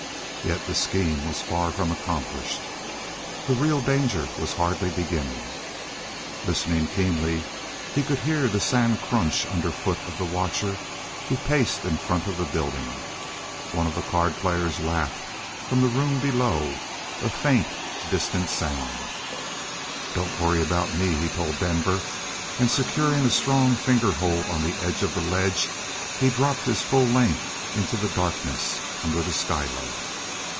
Yet the scheme was far from accomplished. The real danger was barely beginning. Listening keenly, he could hear the sand crunch underfoot of the watcher who paced in front of the building; one of the cardplayers laughed from the room below a faint, distant sound. "Don't worry about me," he told Denver, and, securing a strong fingerhold on the edge of the ledge, he dropped his full length into the darkness under the skylight.